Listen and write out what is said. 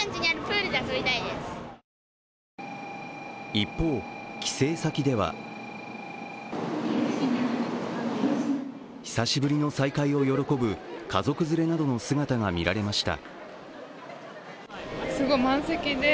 一方、帰省先では久しぶりの再会を喜ぶ家族連れなどの姿がみられました。